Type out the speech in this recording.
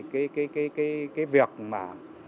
cái việc mà